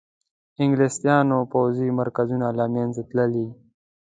انګلیسیانو پوځي مرکزونه له منځه تللي.